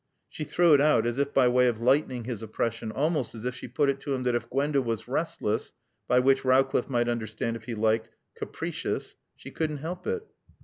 She threw it out as if by way of lightening his oppression, almost as if she put it to him that if Gwenda was restless (by which Rowcliffe might understand, if he liked, capricious) she couldn't help it.